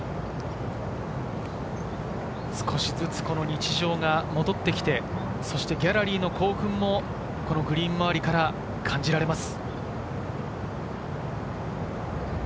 少しずつ日常が戻ってきてギャラリーの興奮もグリーン周りから感じられます。